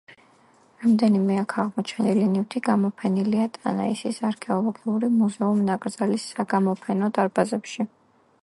რამდენიმე აქ აღმოჩენილი ნივთი გამოფენილია ტანაისის არქეოლოგიური მუზეუმ-ნაკრძალის საგამოფენო დარბაზებში.